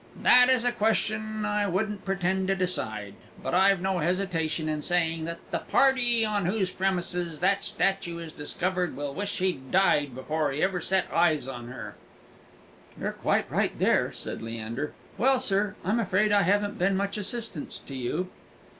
] "That is a question I wouldn't pretend to decide; but I've no hesitation in saying that the party on whose premises that statue is discovered will wish he'd died before he ever set eyes on her." "You're quite right there!" said Leander. "Well, sir, I'm afraid I haven't been much assistance to you."